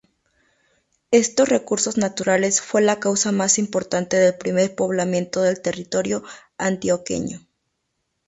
Estos recursos naturales fue la causa más importante del primer poblamiento del territorio antioqueño.